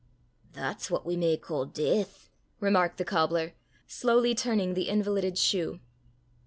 "That's what we may ca' deith!" remarked the cobbler, slowly turning the invalided shoe.